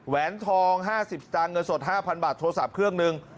แหนทอง๕๐สตางค์เงินสด๕๐๐บาทโทรศัพท์เครื่องหนึ่ง